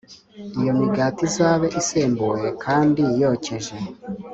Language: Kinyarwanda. Iyo migati izabe isembuwe d kandi yokeje